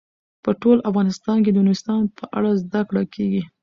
په ټول افغانستان کې د نورستان په اړه زده کړه کېږي.